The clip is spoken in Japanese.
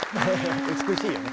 美しいよね。